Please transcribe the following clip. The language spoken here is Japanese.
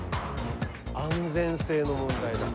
安全性の問題だ。